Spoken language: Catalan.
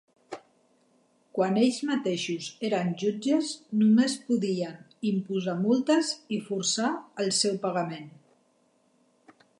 Quan ells mateixos eren jutges només podien imposar multes i forçar el seu pagament.